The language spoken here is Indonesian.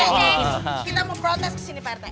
pak rete kita mau protes kesini pak rete